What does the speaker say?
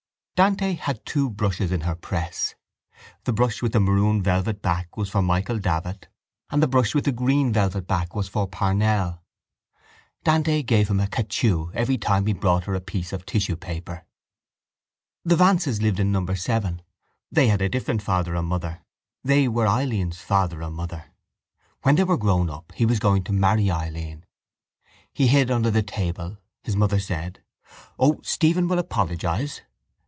Dante had two brushes in her press. The brush with the maroon velvet back was for Michael Davitt and the brush with the green velvet back was for Parnell. Dante gave him a cachou every time he brought her a piece of tissue paper. The Vances lived in number seven. They had a different father and mother. They were Eileen's father and mother. When they were grown up he was going to marry Eileen. He hid under the table. His mother said: —O, Stephen will apologise.